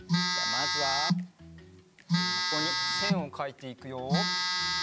じゃあまずはここにせんをかいていくよ。